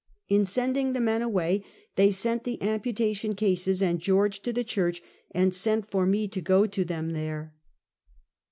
In sending the men away, they sent the amputation cases and George to the church, and sent for me to go to them there. Out of the old Tiieatee.